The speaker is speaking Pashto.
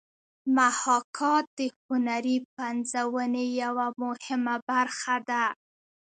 محاکات د هنري پنځونې یوه مهمه برخه ده